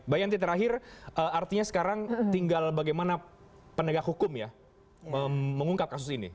bayangin terakhir artinya sekarang tinggal bagaimana pendegah hukum ya mengungkap kasus ini